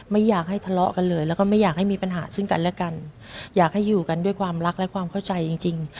ไม่อยากให้ทะเลาะกันเลยแล้วก็ไม่อยากให้มีปัญหาซึ่งกันและกันอยากให้อยู่กันด้วยความรักและความเข้าใจจริงจริง